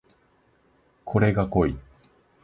これが濃い